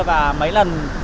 và mấy lần